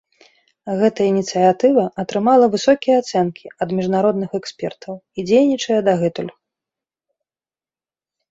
Гэта ініцыятыва атрымала высокія ацэнкі ад міжнародных экспертаў і дзейнічае дагэтуль.